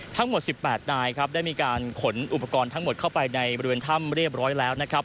ทั้งหมด๑๘นายครับได้มีการขนอุปกรณ์ทั้งหมดเข้าไปในบริเวณถ้ำเรียบร้อยแล้วนะครับ